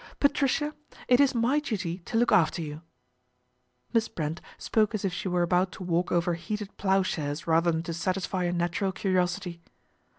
" Patricia, it is my duty to look after you." Miss Brent spoke as if she were about to walk over heated ploughshares rather than to satisfy a natural curiosity.